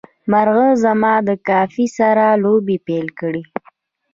مرغه زما د کافي سره لوبه پیل کړه.